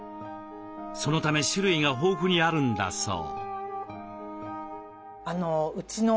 そのため種類が豊富にあるんだそう。